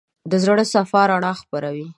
د زړه صفا رڼا خپروي.